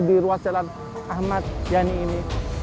di ruas jalan ahmad yani ini